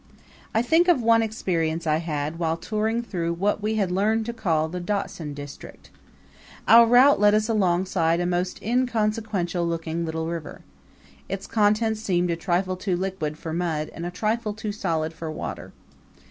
I think of one experience I had while touring through what we had learned to call the Dachshund District. Our route led us alongside a most inconsequential looking little river. Its contents seemed a trifle too liquid for mud and a trifle too solid for water.